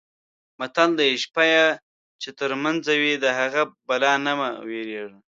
متل دی: شپه یې چې ترمنځه وي د هغې بلا نه مه وېرېږه.